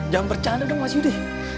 jangan bercanda dong mas yudi